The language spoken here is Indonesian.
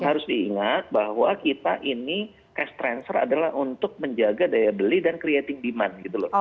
harus diingat bahwa kita ini cash transfer adalah untuk menjaga daya beli dan creating demand gitu loh